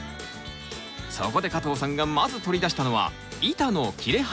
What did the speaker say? そこで加藤さんがまず取り出したのは板の切れ端。